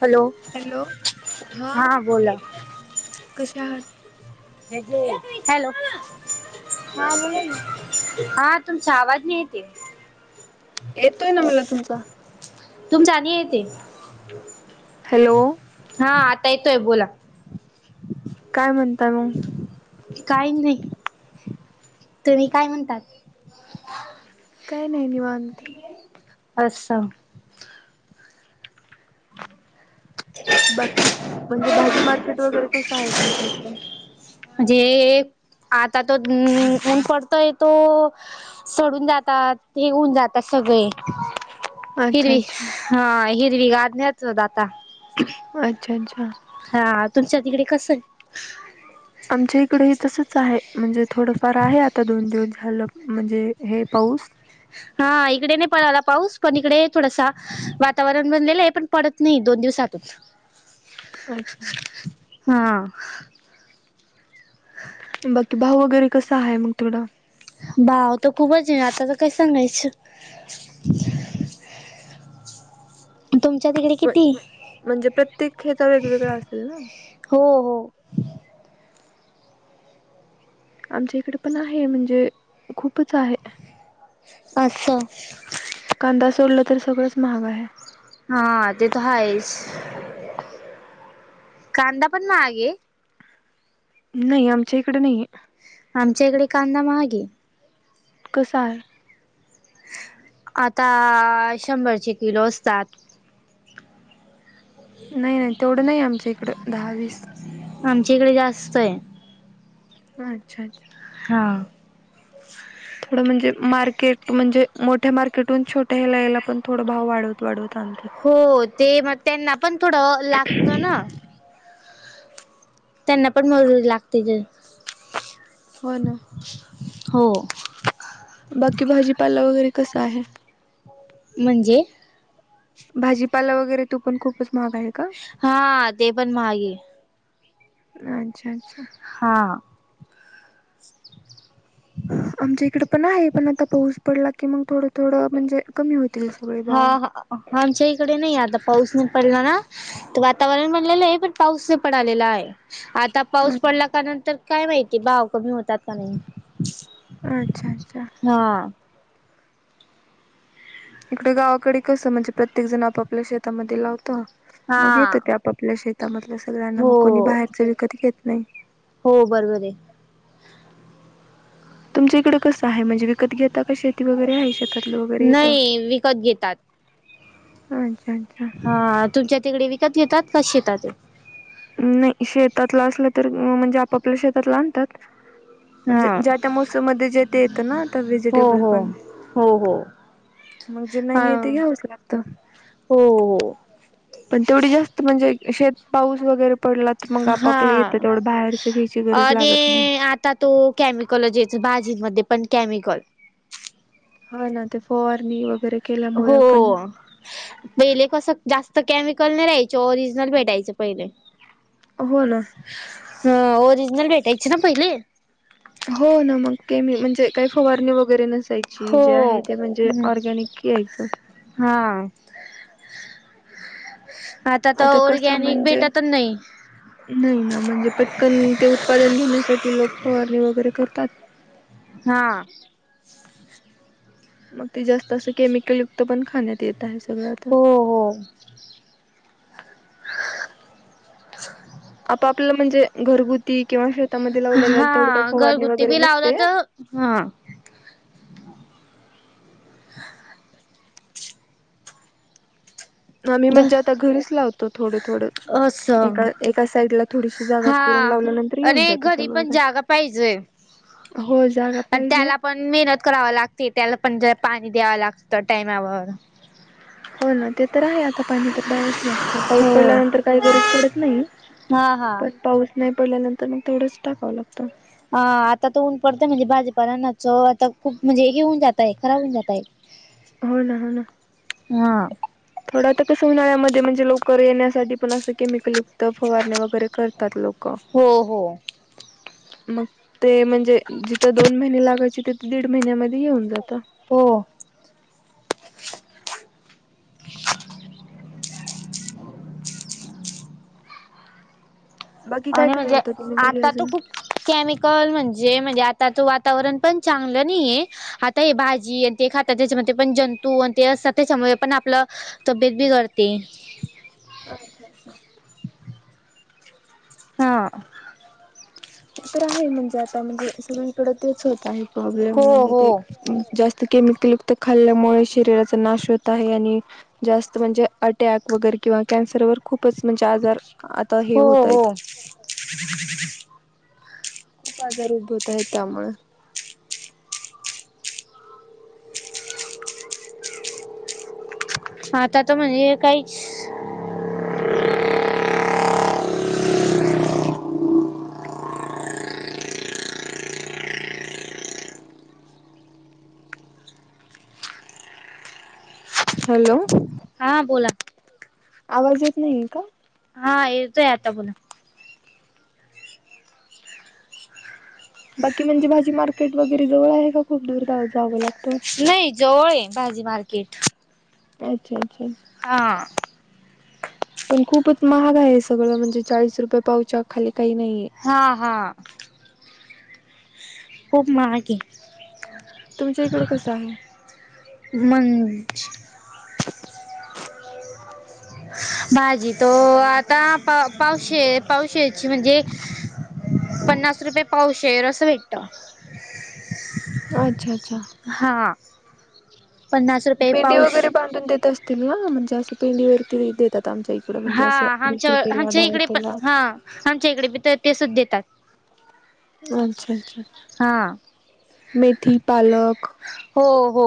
Hello hello हा. कसे आहात. Hello, hello. हा बोला ना. हा तुमचा आवाज नाही येते. येतोय ना मला तुमचा. तुमचा नई येते, हॅलो हा आता येतोय बोला. काय म्हणताय मग. काही नाही तूम्ही काय म्हणतात. काही नाही निवांत. अच्छा. बाकी म्हणजे भाजी मार्केट वगैरे कसं आहे, तुमच्या इकडे. जे. आता तो ऊन पडतोय तो सडून जातात, हे होऊन जात अस सगळे. अच्छा हिरवी अच्छा हा हिरवी गाढण्याच आता. अच्छा अच्छा. तुमच्या तिकडे कसय. आमच्या इकडे हे तसच आहे म्हणजे थोडंफार आहे आता दोन दिवस झालं म्हणजे हे पाऊस. ह [inaudible] हा इकडे नाही पळाला पाऊस पण इकडे थोडासा वातावरण बनलेलंये पण पडत नाही दोन दिवसातच. अच्छ हां. बाकी भाऊ वगैरे कसा आहे मग थोडा भाव तर खूपच आहे आता तर काय सांगायचं ह तुमच्या तिकडे किती म्हणजे प्रत्येक खता वेगवेगळा असेल ना हं आमच्या इकडे पण आहे म्हणजे खूपच आहे असचं कांदा सोडला तर सगळंच महाग आहे हा ते तर हायच कांदा पण महाग आहे नाही आमच्या इकडे नाही आमच्या इकडे कांदा महागे कसय आता शंभरचे किलो असतात नाही नाही तेवढं नाही आमच्या इकडं दहावीस कडे जास्त आहे अच्छा अच्छा हा थोडं म्हणजे मार्केट म्हणजे मोठ्या मार्केटून छोट्या हे यायला पण थोड भाव वाढवत वाढवत आणतात. हो ते मग त्यांना पण थोडं लागत ना त्यांना पण मजुरी लागते हो ना हो बाकी भाजीपाला वगैरे कसा आहे म्हणजे भाजीपाला वगैरे तो पण खूपच महाग आहे का हा ते पण महाग आहे. अच्छा अच्छा. हा. आमच्या इकडे पण आहे पण आता पाऊस पडला की मग थोडं थोडं म्हणजे कमी होत. हा आमच्या इकडे नाही आता पाऊस नाही पडला ना. वातावरण बनलेलं आहे पण पाऊस नाही पडालेला आहे आता पाऊस पडला का नंतर काय- माहिती भाव कमी होतात का नाही. अच्छा अच्छा. हा. इकडे गावाकडे कसं म्हणजे प्रत्येक जण आपापल्या शेतामध्ये लावतो. मग हा येतं ते आपापल्या शेतामधल्या सगळ्यांना मग हो कोणी बाहेरच विकत घेत नाही. बरं झाले. तुमच्या इकडे कसं आहे म्हणजे विकत घेत- आता का शेती वगैरे आहे शेतातलं वगैरे येत. नाही विकत घेतात. होयं कायं. हा तुमच्या तिकडे विकत घेतात का शेतात ते. नाही शेतातला असलं तर म्हणजे आपापल्या शेतातला आणतात. म्हणजे हा ज्या त्या मोसम मध्ये जे ते येतं ना हो व्हेजिटेबल हो. पणं. हो हो मगं जे हा नाही ते घ्यावच लागत. हो हो पण तेवढी जास्त म्हणजे शेत- पाऊस वगैरे पडला तर मगं आपापल्या येतात हा. तेवढं बाहेरच घ्यायची गरज लागत नाही. [unintelligible] भाजीमध्ये पण केमिकल. हा ना ते फवारणी वगैरे. हो केल्यामुळे पण पहिले कसं जास्त. तर केमिकल नाही राहायचे ओरिजनल भेटायचें पहिले. हो ना. हा ओरिजनल भेटायची ना पहिले. हो ना मग मी म्हणजे काही फवारणी वगैरे नस- हो. आहे ते म्हणजे हम्म ऑर्गनिक यायच. हा आता तर कसं ऑरगॅनिक म्हणजे भेटतच नाही. नाही ना म्हणजे पटकन ते उत्पादन घेण्यासाठी लोक- फवरणी वगैरे करतात. हा. मगं ते जास्त असं केमिकल युक्त पण खाण्यात येत आहे सगळं आता. हो हो [inaudible] आपपलं म्हणजे घरगुती किंवा शे- ता मध्ये लावलेव तेवढ काही हा फवारणी घरगुती वगैरे बी लावला नसते. तर हा आम्ही म्हणजे आता घरीच लावतो थोडं थोडं असं एका एका साईडला थोडीशी जागा करू- ह आणि घरी पण जागा पाहिजेय. हो जागा पाहिजे त्याला पण मेहनत कराव लागते त्याला. पण जला पाणी द्यावं लागत. टाइमावर- हो ना ते तर आहे आता पाणी तर द्यावच लागत पाऊस हो पडल्यानंतर काही गरज पडत नाही. हा हा. पण पाऊस नाही पडल्यानंतर मग तेवढंच टाकावं लागतं. ह आता तो ऊन पडतय म्हणजे भाजीपालांना चव आता खूप म्हणजे हे घऊन जातयं खराब होऊन जातयं. हो ना हो ना. हम. उनळ्यामध्ये म्हणजे लवकर येण्यासाठी पण असं केमिकलयुक्त फवारणे वगैरे करतात लोक. हो हो. मगं ते म्हणजे जिथं दोन महिने लागायचे तिथे दीड महिन्यामध्ये येऊन जातात. हो. [inaudible] बाकी काय आणि काय म्हणजे लावता तुम्ही घरी आता तर अजून खूप अच्छा केमिकल म्हणजे- जे म्हणजे आता त वातावरण पण चांगलं नाहीय आता हे भाजी आणि ते खाता त्याच्यामध्ये पण जन [unintelligible] तू आणि ते असत त्याच्यामुळे पण आपलं तब्येत बी करते [unintelligible] अच्छा अच्छा [unintelligible] हा ते तर आहे म्हणजे आता म्हणजे सगळीकडे तेच होत आहे प्रॉब्लेम हो म्हणजे हो ते जास्त केमिक त खाल्ल्यामुळे शरीराचा नाश होत आहे आणि जास्त म्हणजे अटक वगर किंवा खूपच म्हणजे आजार आता हे हो होतय हो [unintelligible] खूप आजार उद्भवत आहेत त्यामुळे आता तर म्हणजे काहीच [inaudible] आ हॅलो हा बोला आवाज येत नाहीे का हा येतय आता पुला बाकी म्हणजे भाजी मार्केट वगैरे जवळ आहे का खूप दूर जावं लाग नाही जवळ भाजी मार्केट [unintelligible] अच्छा अच्छा हा पण खूपच महागा आहे सगळं म्हणजे चाळीस रुपये पावच्या खाली काही नाहीये हा हा खूप महाग आहे तुमच्या इकड कसं आहे मंच भाझी तो आता पा पावश पावशची म्हणजे [unintelligible] पन्नास रुपये पावशेर असं भेटत अच्छा अच्छा हा पन्नास रुपये पेंडी पाऊश वगैरे बांधून देत असतील ना म्हणजे असं पेंडीवररती देत त्यात आमच्या इकडं म्हणजे हा असं वीस आमच्या रुपयेला आमच्या दहा इकडे पण रुपयेला हा आमच्या इकडे बी तर तेच देतात. अच्छा अच्छा हा. मेथी पालक हो हो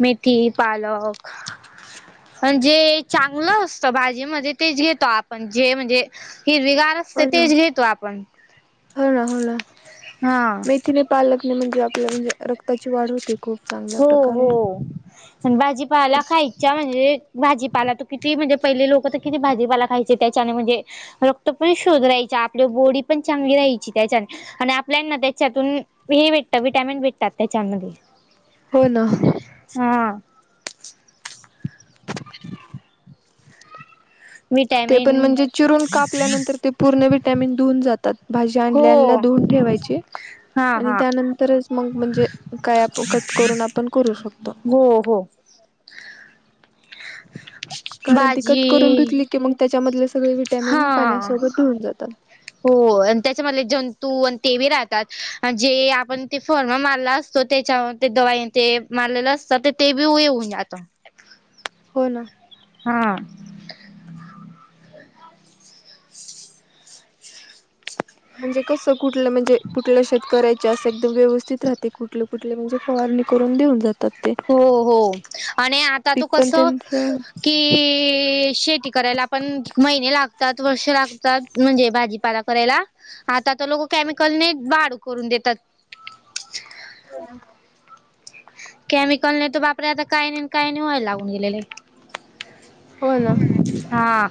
मेथी पालक पण जे चांगलं असतं भाजीमध्येध्ये तेच घेतो आपण जे म्हणजे [unintelligible] फिर हो बिगारतते ना तेज घेतो आपण [unintelligible] हो ना हो ना हा. मेथीने पालगणे म्हणजे आपल्या म्हणजे रक्ताची वाढ होते [unintelligible] हो हो प्रकारे प भाजीपाला खायच्या म्हणजे भाजी ला त किती म्हणजे पहिले लोक किती भाजीपाला खायचे त्याच्याने म्हणजे रक्त पण शोधरायचे आपले बॉडी पण चांगली राहायची त्याच्याने आणि आपल्याना त्याच्यातून हे भेटतं विटॅमिन भेटतात त्याच्या आणि हो ना हम ते पण विटॅमिन म्हणजे चिरून कापल्यानंतर ते पूर्ण विटॅमिन ऊन जातात भाजी आणल्या हो दोन ठेवायचे हा आणि हा त्यानंतरच मग म्हणजे काय आपण कट करून आपण करू शकतो हो हो ह कारण ती कट करून भाजी धुतली की मग त्याच्यामधले सगळे विटॅमिन हा पाण्यासोबत धुऊून जातात हो आणि त्याच्यामध्ये जंतू आणि ते राहतात जे आपण ते फर्मा मारला असतो त्याच्यावर दवाई ते मारलेलं असतं ते येवऊ नाही आता [unintelligible] हो ना हा म्हणजे कसं कुठलं म्हणजे कुठलं शेत करायच जास्त एकदम व्यवस् कुठले कुठले म्हणजे फवारणी करून देऊन जातात ते हो हो आणि आता तू पीक कस पण त्यांचं की शेती करायला आपण महिने लागत वर्ष लागतात म्हणजे भाजीपाला करायला आता तर लोक केमिकल न करून देतात हो केमिकल नाही तर बापर आता काही नाही काय नाही व्हाय लागून गेलेले हो ना हा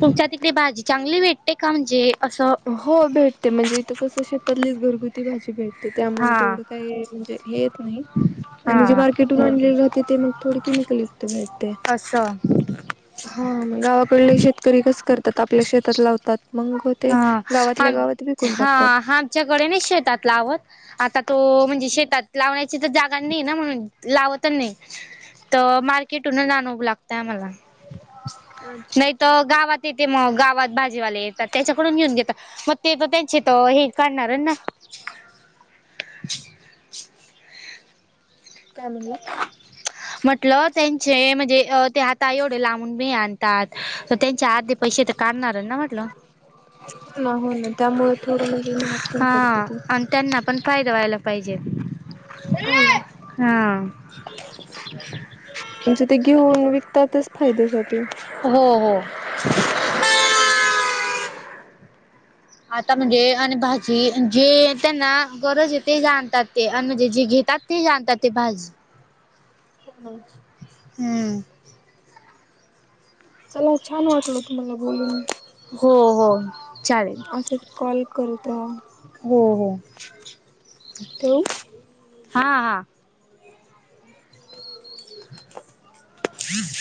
तुमच्या तिकडे भाजी चांगली भेटते का म्हणजे असं हो भेटते म्हणजे इथं कसं शेतातलीच घरगुती भाजी भेटते ते त्यामुळे हा तेवढं काही म्हणजे हे येत नाही आणि जे हा मार्केट राते ते मग थो केमिकल असं हा गावाकडले शेतकरी कस करते त्यात आपल्या शेतात लावतात मग ते गावातल्या गावात ह विकून हा टाकतात. आमच्याकडे नाही शेतात लावत आता तो म्हणजे शेतात लावण्याची तर जागा नाही ना म्हणून लावत नाही तर मार्केटून आ नव लागतय आम्हाला अच्छा नाही अच्छा. तर गावात येते मग गावात भाजीवाले येतात त्याच्याकडून घेऊन घेतात मग ते तर त्यांचे तर हे काढणार ना ह काय म्हणलं म्हंटलं त्यांचे म्हणजे हात एवढ लांबूनी आणतात त्यांच्या आ पैसे का करणार ना म्हटलं हो ना हो ना त्यामुळे थोडं म्हणजे महाग पण पडतं हा ते. आणि त्यांना पण फायदा व्हायला पाहिजे हो ना. हा म्हणजे ते घेऊन विकतातच फायद्यासाठी हो हो आता म्हणजे आणि भाजी जे त्यांना गरज आहे ते जाणतात ते आणि म्हणजे जे घेत ात ते जणतात ते भाजी ह हम्म चला छान वाटल तुम्हाला बोलून हो हो चालेल असंच कॉल करता हो हो ठेवू? हा हा बी बी